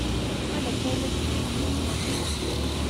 Her nickname is Lisa.